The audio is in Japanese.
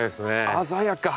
鮮やか！